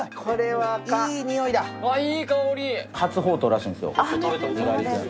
初ほうとうらしいんですよ。